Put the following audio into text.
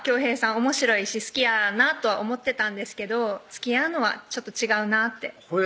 おもしろいし好きやなとは思ってたんですけどつきあうのはちょっと違うなってほいで？